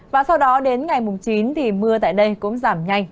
và sau đó đến ngày chín mưa tại đây cũng giảm nhanh